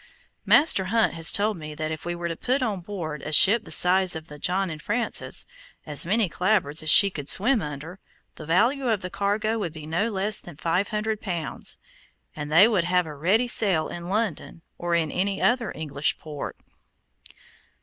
Master Hunt has told me that if we were to put on board a ship the size of the John and Francis, as many clapboards as she could swim under, the value of the cargo would be no less than five hundred pounds, and they would have a ready sale in London, or in other English ports.